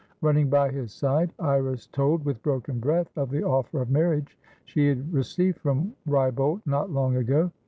Running by his side, Iris told with broken breath of the offer of marriage she had received from Wrybolt not long ago.